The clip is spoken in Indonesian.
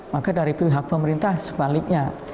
maka dari pihak pemerintah sebaliknya